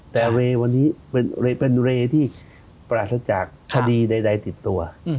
แต่เรย์วันนี้เป็นเรย์ที่ปราศจากคดีใดติดตัว